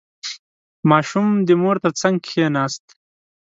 • ماشوم د مور تر څنګ کښېناست.